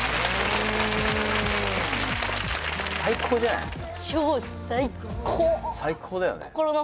ええ最高だよね